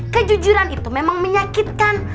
kejujuran itu memang menyakitkan